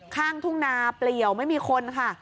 ข้างทุ่งนาเปลี่ยวไม่มีคนค่ะ